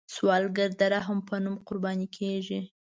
سوالګر د رحم په نوم قرباني کیږي